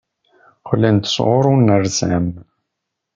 Qqlen-d sɣur unersam.